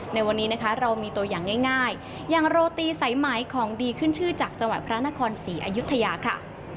ในวันนี้นะคะเรามีตัวอย่างง่ายอย่างโรตีสายไหมของดีขึ้นชื่อจากจังหวัดพระนครศรีอายุทยาค่ะ